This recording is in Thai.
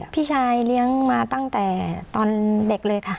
พี่ชายเลี้ยงมาตั้งแต่ตอนเด็กเลยค่ะ